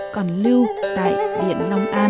còn lưu tại điện long an